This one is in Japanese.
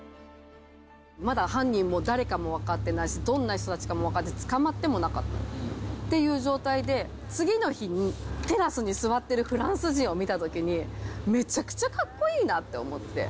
まだ犯人も誰かも分かってないし、どんな人たちかも分かってない、捕まってもなかったっていう状態で、次の日にテラスに座ってるフランス人を見たときに、めちゃくちゃかっこいいなって思って。